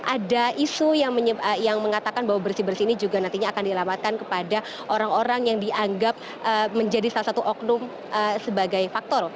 ada isu yang mengatakan bahwa bersih bersih ini juga nantinya akan dilamatkan kepada orang orang yang dianggap menjadi salah satu oknum sebagai faktor